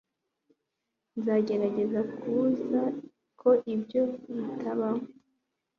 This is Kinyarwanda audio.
Nzagerageza kubuza ko ibyo bitabaho